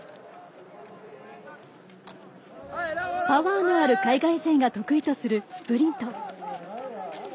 パワーのある海外勢が得意とするスプリント。